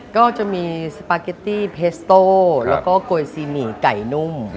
ก็จะมีสปาเกตตี้เพสโต้แล้วก็โกยซีหมี่ไก่นุ่ม